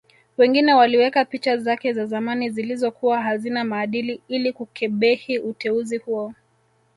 Wengine waliweka picha zake za zamani zilizokuwa hazina maadili ili kukebehi uteuzi huo